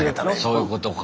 そういうことか。